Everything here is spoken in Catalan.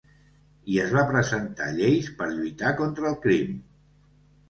I es va presentar lleis per lluitar contra el crim.